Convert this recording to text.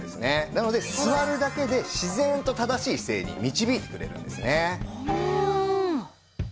なので座るだけで自然と正しい姿勢に導いてくれるんですね。